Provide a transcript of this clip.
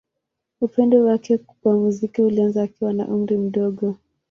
Upendo wake wa muziki ulianza akiwa na umri mdogo.